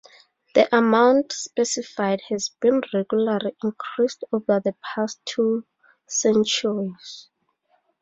The amount specified has been regularly increased over the past two centuries.